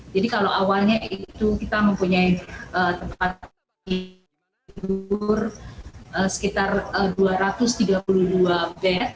jadi kalau awalnya itu kita mempunyai tempat tidur sekitar dua ratus tiga puluh dua bed